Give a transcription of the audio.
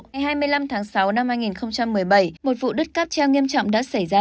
ngày hai mươi năm tháng sáu năm hai nghìn một mươi bảy một vụ đứt cáp treo nghiêm trọng đã xảy ra